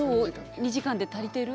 ２時間で足りてる？